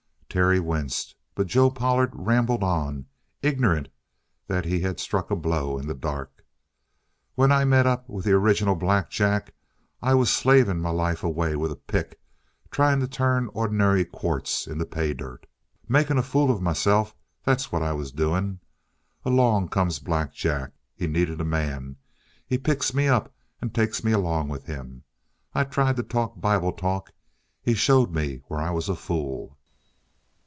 Terry winced. But Joe Pollard rambled on, ignorant that he had struck a blow in the dark: "When I met up with the original Black Jack, I was slavin' my life away with a pick trying to turn ordinary quartz into pay dirt. Making a fool of myself, that's what I was doing. Along comes Black Jack. He needed a man. He picks me up and takes me along with him. I tried to talk Bible talk. He showed me where I was a fool.